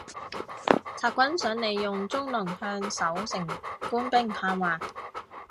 贼军想利用宗龙向守城官兵喊话。